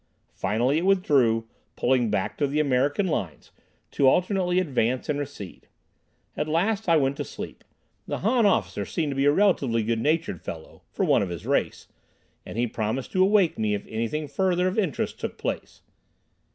Finally it withdrew, pulling back to the American lines, to alternately advance and recede. At last I went to sleep. The Han officer seemed to be a relatively good natured fellow, for one of his race, and he promised to awake me if anything further of interest took place.